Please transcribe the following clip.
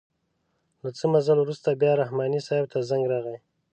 له څه مزل وروسته بیا رحماني صیب ته زنګ راغئ.